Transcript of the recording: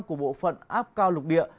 của bộ phận áp cao lục địa